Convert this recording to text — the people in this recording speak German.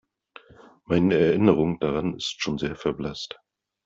Meine Erinnerung daran ist schon sehr verblasst.